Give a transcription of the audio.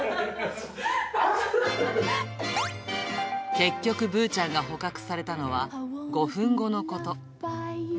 結局ぶーちゃんが捕獲されたのは、５分後のこと。